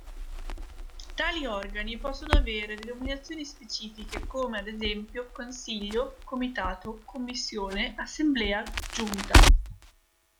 Tali organi possono avere denominazioni specifiche, come ad esempio "consiglio", "comitato", "commissione", "assemblea", "giunta".